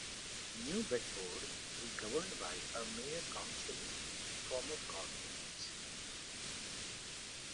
New Bedford is governed by a Mayor-Council form of government.